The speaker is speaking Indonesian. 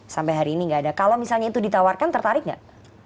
sampai hari ini nggak ada kalau misalnya itu ditawarkan tertarik nggak